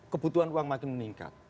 kebutuhan uang makin meningkat